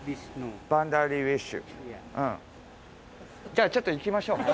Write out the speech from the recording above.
じゃあちょっと行きましょう。